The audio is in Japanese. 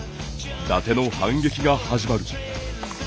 伊達の反撃が始まる。